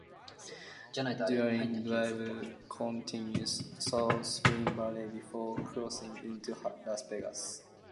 Durango Drive continues through Spring Valley before crossing into Las Vegas.